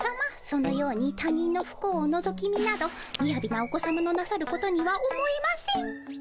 そのように他人のふ幸をのぞき見などみやびなお子さまのなさることには思えません。